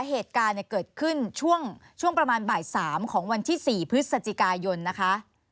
เหตุการณ์เกิดขึ้นช่วงประมาณบ่าย๓ของวันที่๔พฤศจิกายนนะคะ